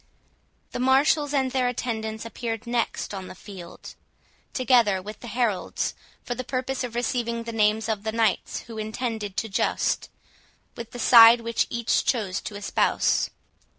The marshals and their attendants appeared next on the field, together with the heralds, for the purpose of receiving the names of the knights who intended to joust, with the side which each chose to espouse.